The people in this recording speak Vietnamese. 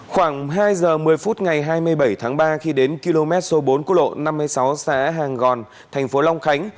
khoảng hai giờ một mươi phút ngày hai mươi bảy tháng ba khi đến km số bốn của lộ năm mươi sáu xã hàng gòn thành phố long khánh